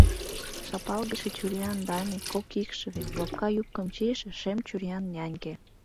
Шапалгыше чуриян даме, кок икшыве, лопка юбкым чийыше, шем чуриян няньке...